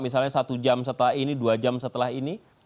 misalnya satu jam setelah ini dua jam setelah ini